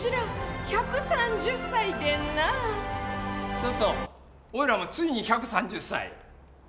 そうそう俺らもついに１３０歳。